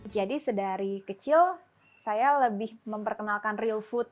jadi sedari kecil saya lebih memperkenalkan real food